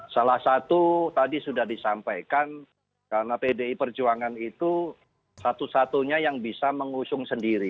salah satu tadi sudah disampaikan karena pdi perjuangan itu satu satunya yang bisa mengusung sendiri